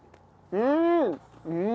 うん。